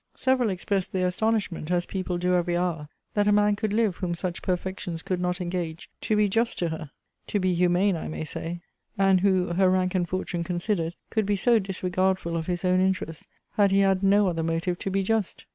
Several expressed their astonishment, as people do every hour, 'that a man could live whom such perfections could not engage to be just to her;' to be humane I may say. And who, her rank and fortune considered, could be so disregardful of his own interest, had he had no other motive to be just!